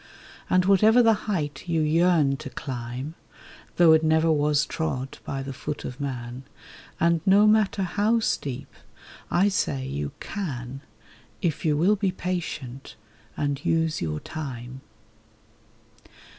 And whatever the height you yearn to climb, Though it never was trod by the foot of man, And no matter how steep—I say you can, If you will be patient—and use your time.